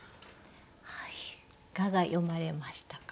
いかが読まれましたか？